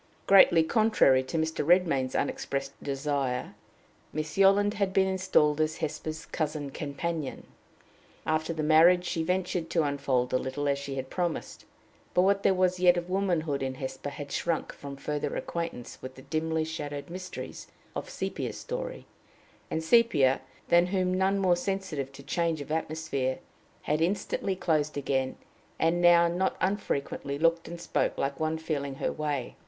Greatly contrary to Mr. Redmain's unexpressed desire, Miss Yolland had been installed as Hesper's cousin companion. After the marriage, she ventured to unfold a little, as she had promised, but what there was yet of womanhood in Hesper had shrunk from further acquaintance with the dimly shadowed mysteries of Sepia's story; and Sepia, than whom none more sensitive to change of atmosphere, had instantly closed again; and now not unfrequently looked and spoke like one feeling her way.